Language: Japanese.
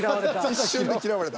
一瞬で嫌われた。